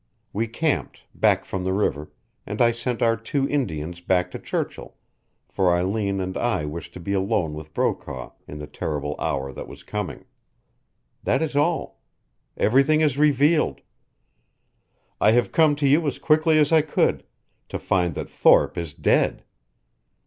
We camped, back from the river, and I sent our two Indians back to Churchill, for Eileen and I wished to be alone with Brokaw in the terrible hour that was coming. That is all. Everything is revealed. I have come to you as quickly as I could, to find that Thorpe is dead.